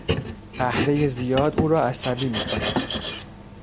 قهوهی زیاد او را عصبی میکند.